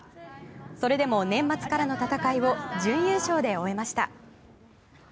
それでも年末からの戦いを準優勝で終えました。